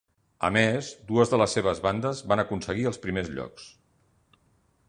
A més, dues de les seves bandes van aconseguir els primers llocs.